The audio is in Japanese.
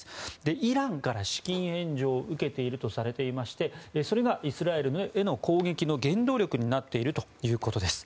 イランから資金援助を受けているとされましてそれがイスラエルへの攻撃の原動力になっているということです。